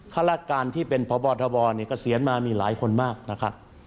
ฆาตการที่เป็นพบทบเนี่ยเกษียณมามีหลายคนมากนะครับ